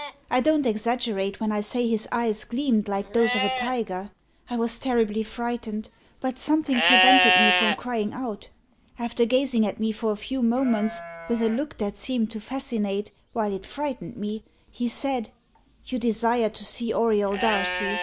I don't exaggerate, when I say his eyes gleamed like those of a tiger. I was terribly frightened, but something prevented me from crying out. After gazing at me for a few moments, with a look that seemed to fascinate while it frightened me, he said 'You desire to see Auriol Darcy.